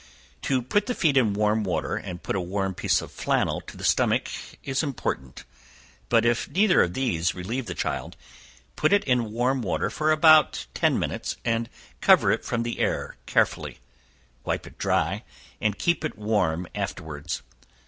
To put the feet in warm water, and put a warm piece of flannel to the stomach, is important; but if neither of these relieve the child, put it in warm water for about ten minutes, and cover it from the air carefully; wipe it dry, and keep it warm afterwards.